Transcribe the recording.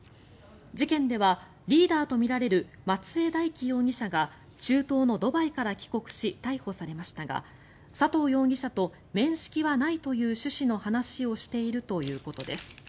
事件ではリーダーとみられる松江大樹容疑者が中東のドバイから帰国し逮捕されましたが佐藤容疑者と面識はないという趣旨の話をしているということです。